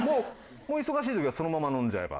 お忙しい時はそのまま飲んじゃえば。